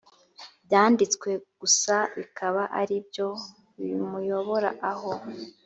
byanditswe gusa bikaba ari byo bimuyobora aho